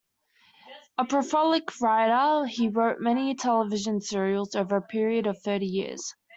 A prolific writer, he wrote many television serials over a period of thirty years.